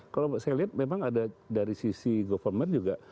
kalau saya lihat memang ada dari sisi government juga